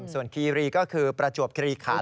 ส่วนคีรีก็คือประจวบคิริขัน